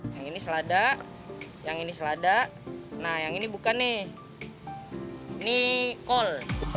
yang ini selada yang ini selada nah yang ini bukan nih ini kol